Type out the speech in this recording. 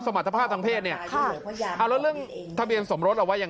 สมรรถภาพทางเพศเนี่ยถ้าเรื่องทะเบียนสมรถเราว่ายัง